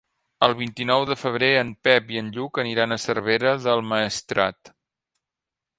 El vint-i-nou de febrer en Pep i en Lluc aniran a Cervera del Maestrat.